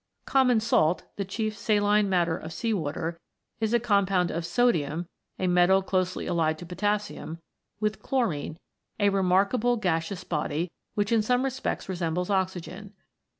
Common salt, the chief saline matter of sea water, is a compound of sodium, a metal closely allied to potassium, with chlorine, a remarkable gaseous body, which in some respects resembles oxygen.